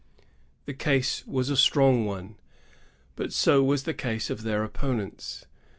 Their case was a strong one ; but so was the case of their opponents.